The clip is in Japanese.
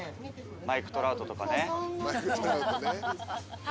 マイク・トラウトとかね。